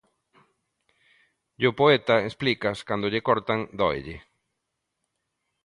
E ao poeta, explicas, cando lle cortan dóelle.